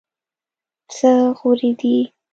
څه غورې دي.